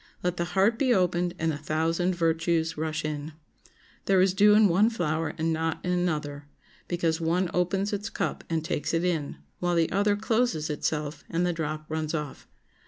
Let the heart be opened and a thousand virtues rush in. There is dew in one flower and not in another, because one opens its cup and takes it in, while the other closes itself and the drop runs off.